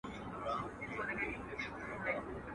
زده کوونکو په ډېر شوق مقالې لوستلې.